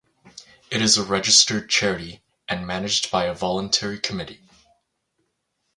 It is a registered charity and managed by a voluntary committee.